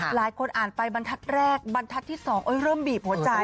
หลายคนอ่านไปบรรทัศน์แรกบรรทัศน์ที่๒เริ่มบีบหัวใจ